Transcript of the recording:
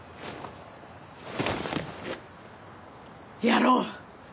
やろう！